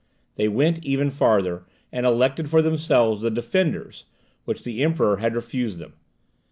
They even went farther, and elected for themselves the DEFENDERS which the Emperor had refused them.